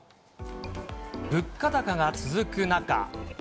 物価高が続く中。